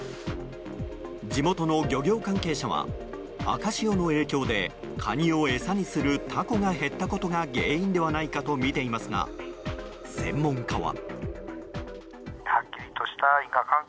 地元の漁業関係者は赤潮の影響でカニを餌にするタコが減ったことが原因ではないかとみていますが専門家は。